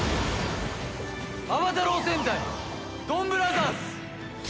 『暴太郎戦隊ドンブラザーズ』！